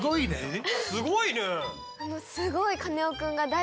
すごいね。